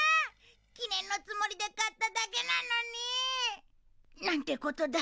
記念のつもりで買っただけなのに！なんてことだ